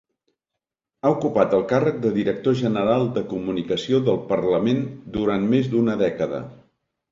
Ha ocupat el càrrec de Director General de Comunicació del Parlament durant més d'una dècada.